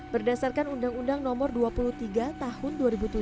berdasarkan undang undang nomor dua puluh tiga tahun dua ribu tujuh